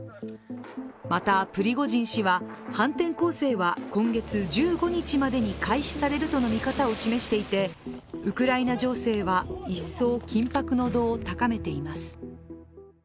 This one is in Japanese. また、プリゴジン氏は反転攻勢は今月１５日までに開始されるとの見方を示していて、ウクライナ情勢はいっそう緊迫の度を高めています。